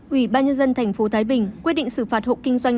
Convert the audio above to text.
ubnd tp thái bình quyết định xử phạt hộ kinh doanh